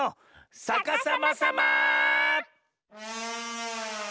さかさまさま！